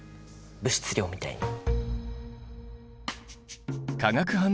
物質量みたいに。